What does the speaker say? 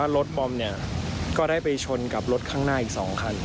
รถบอมก็ได้ไปชนกับรถข้างหน้าอีก๒คัน